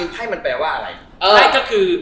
ไพ่ก็คือ